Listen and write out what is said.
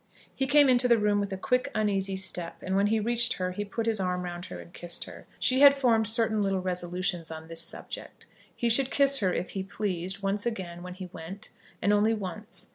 He came into the room with a quick, uneasy step, and when he reached her he put his arm round her and kissed her. She had formed certain little resolutions on this subject. He should kiss her, if he pleased, once again when he went, and only once.